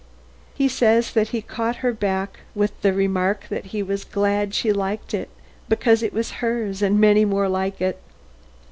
"He says that he caught her back with the remark that he was glad she liked it because it was hers and many more like it.